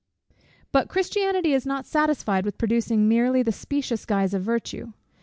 But Christianity is not satisfied with producing merely the specious guise of virtue.